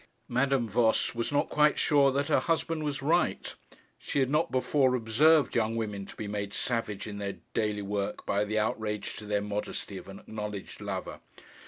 Madame Voss was not quite sure that her husband was right. She had not before observed young women to be made savage in their daily work by the outrage to their modesty of an acknowledged lover.